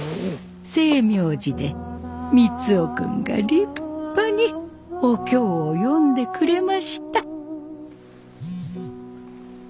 星明寺で三生君が立派にお経を読んでくれました。